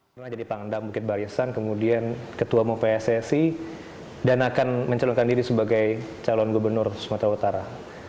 pernah jadi pangdam bukit barisan kemudian ketua umum pssi dan akan mencalonkan diri sebagai calon gubernur sumatera utara